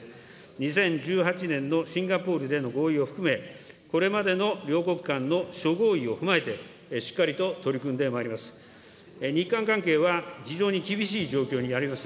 ２０１８年のシンガポールでの合意を含め、これまでの両国間の諸合意を踏まえて、しっかりと取り組んでまいります。